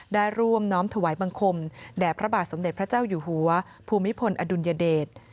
ได้ร่วมน้อมถวายบังคมแด่พระบาทสมเด็จพระเจ้าอยู่หัวภูมิพลอดุลยเดช